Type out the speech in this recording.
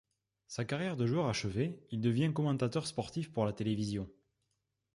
Sa carrière de joueur achevée, il devient commentateur sportif pour la télévision.